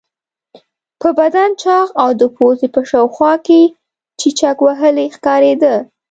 په بدن چاغ او د پوزې په شاوخوا کې چیچک وهلی ښکارېده.